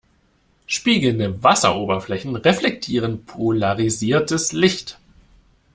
Spiegelnde Wasseroberflächen reflektieren polarisiertes Licht.